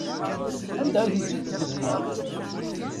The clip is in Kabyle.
Anda ay ten-id-tgezmeḍ?